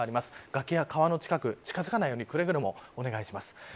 崖や川の近くに近付かないようにくれぐれもお願いします。